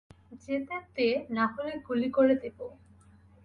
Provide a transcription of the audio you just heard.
যেতে দে নাহলে গুলি করে দিবো।